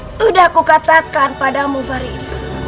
sudah kukatakan padamu farid